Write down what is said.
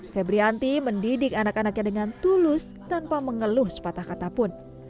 febrianti mendidik anak anaknya dengan tulus tanpa mengeluh sepatah kata pun